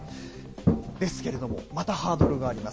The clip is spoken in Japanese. ですけれども、またハードルがあります。